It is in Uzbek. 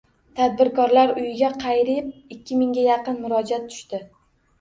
“Tadbirkorlar uyi”ga qariyb ikki mingga yaqin murojaat tushdi